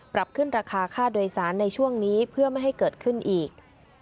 ปรับขึ้นราคาค่าโดยสารในช่วงนี้เพื่อไม่ให้เกิดขึ้นอีก